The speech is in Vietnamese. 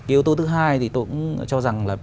yếu tố thứ hai thì tôi cũng cho rằng